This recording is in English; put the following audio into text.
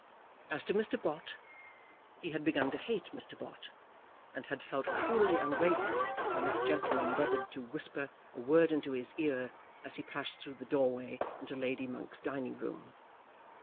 As to Mr. Bott; he had begun to hate Mr. Bott, and had felt cruelly ungrateful, when that gentleman endeavoured to whisper a word into his ear as he passed through the doorway into Lady Monk's dining room.